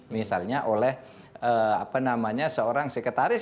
misalnya oleh seorang sekretaris